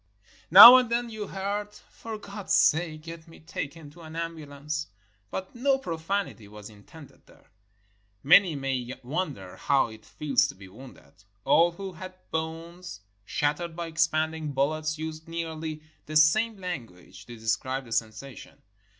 Now and then you heard, "For God's sake, get me taken to an ambulance!" — but no profanity was in tended there. Many may wonder how it feels to be wounded. All who had bones shattered by expanding bullets used nearly the same language to describe the sensation.